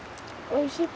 おいしい？